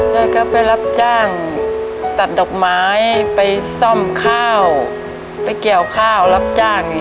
ยายก็ไปรับจ้างตัดดอกไม้ไปซ่อมข้าวไปเกี่ยวข้าวรับจ้างอย่างเงี้ยค่ะ